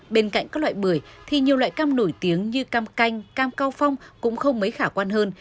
bên cạnh các loại bưởi thì nhiều loại cam nổi tiếng như cam canh cam cao phong cũng không mấy khả quan hơn